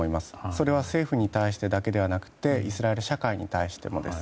それは政府に対してだけではなくてイスラエル社会に対してもです。